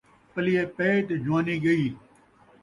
پلئیے پئے تے جوانی ڳئی